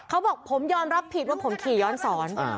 เขาบอกผมยอมรับผิดว่าผมขี่ย้อนสอน